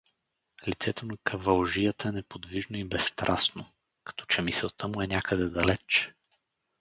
Лицето на кавалжията е неподвижно и безстрастно, като че мисълта му е някъде далеч.